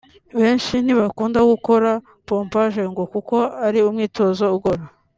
Benshi ntibakunda gukora pompaje ngo kuko ari umwitozo ugora